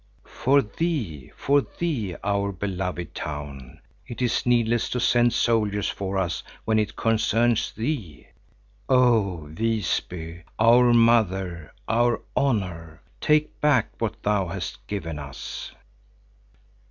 "For thee, for thee, our beloved town! It is needless to send soldiers for us when it concerns thee! Oh, Visby, our mother, our honor! Take back what thou hast given us!"